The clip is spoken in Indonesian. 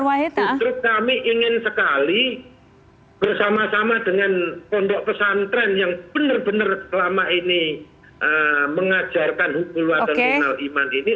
wah justru kami ingin sekali bersama sama dengan kondok pesantren yang benar benar selama ini mengajarkan hukum luar dan senil iman ini